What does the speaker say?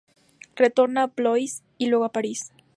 Retorna a Blois y luego a París.